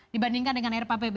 dibandingkan dengan rap bnp